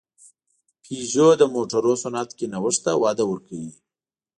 پيژو د موټرو صنعت کې نوښت ته وده ورکوي.